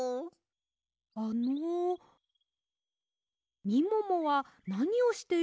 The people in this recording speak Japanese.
あのみももはなにをしているんですか？